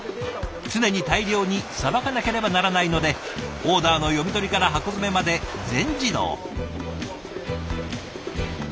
常に大量にさばかなければならないのでオーダーの読み取りから箱詰めまで全自動。